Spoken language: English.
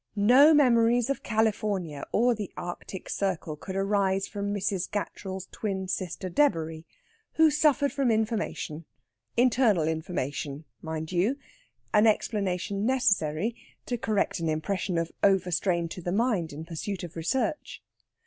No memories of California or the Arctic Circle could arise from Mrs. Gattrell's twin sister Debory, who suffered from information internal information, mind you; an explanation necessary to correct an impression of overstrain to the mind in pursuit of research.